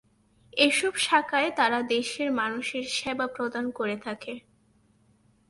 এসব শাখায় তারা দেশের মানুষের সেবা প্রদান করে থাকে।